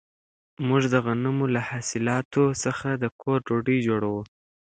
موږ د غنمو له حاصلاتو څخه د کور ډوډۍ جوړوو.